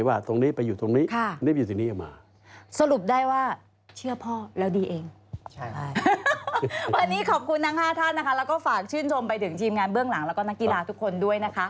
และฝากชื่นชมไปถึงจีมงานเบื้องหลังและนักกีฬาทุกคนด้วยนะคะ